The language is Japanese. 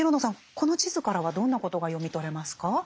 この地図からはどんなことが読み取れますか？